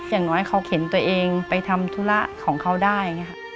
อย่างน้อยเขาเข็นตัวเองไปทำธุระของเขาได้